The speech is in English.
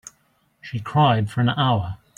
She cried for an hour.